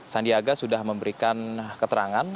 sandiaga sudah memberikan keterangan